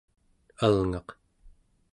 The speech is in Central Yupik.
alngaq